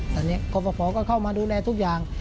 ตอนนี้กรปภก็เข้ามาดูแลทุกอย่าง